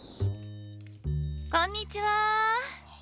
こんにちは！